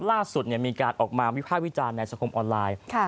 ล่าสุดมีการออกมาวิภาควิจารณ์ในสังคมออนไลน์